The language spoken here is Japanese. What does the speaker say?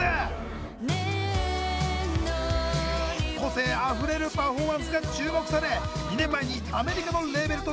個性あふれるパフォーマンスが注目され２年前にアメリカのレーベルと契約。